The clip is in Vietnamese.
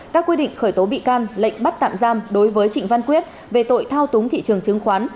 các quy định khởi tố bị can lệnh bắt tạm giam đối với trịnh văn quyết về tội thao túng thị trường chứng khoán